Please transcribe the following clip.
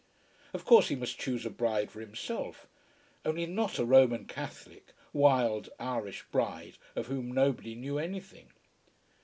Of course he must choose a bride for himself, only not a Roman Catholic wild Irish bride of whom nobody knew anything!